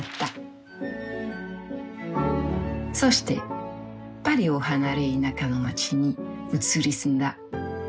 そしてパリを離れ田舎の街に移り住んだ。